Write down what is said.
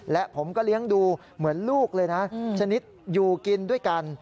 และผมก็เลี้ยงดูเหมือนลูกเลยนะชนิดอยู่กินด้วยกัน